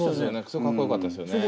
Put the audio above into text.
すごいかっこよかったですよね。